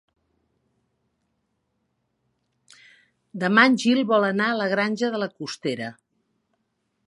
Demà en Gil vol anar a la Granja de la Costera.